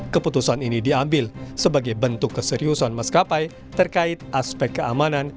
keputusan ini diambil sebagai bentuk keseriusan maskapai terkait aspek keamanan